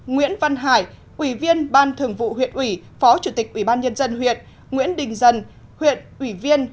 nguyễn văn hải ủy viên ban thường vụ huyện ủy phó chủ tịch ubnd huyện nguyễn đình dân huyện ủy viên